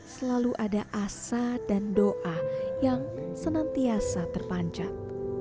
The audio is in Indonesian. selalu ada asa dan doa yang senantiasa terpanjat